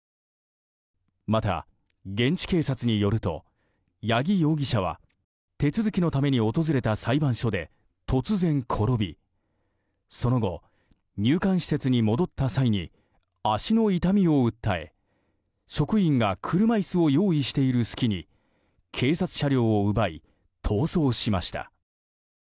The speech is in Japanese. また現地警察によると八木容疑者は手続きのために訪れた裁判所で突然、転びその後、入管施設に戻った際に足の痛みを訴え職員が車椅子を用意している隙に警察車両を奪い逃走しました。